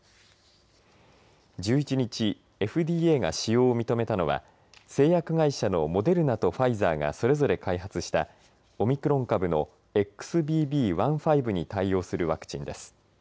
１１日ＦＤＡが使用を認めたのは製薬会社のモデルナとファイザーがそれぞれ開発したオミクロン株のＸＢＢ．１．５に対応するワクチンです。